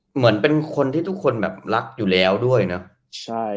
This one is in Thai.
เหมือนเป็นคนที่ทุกคนแบบรักอยู่แล้วด้วยเนอะใช่